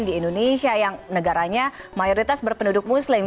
di indonesia yang negaranya mayoritas berpenduduk muslim